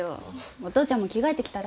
お父ちゃんも着替えてきたら？